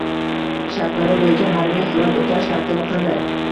Shartnoma bo‘yicha harbiy xizmat o‘tash tartibi qanday?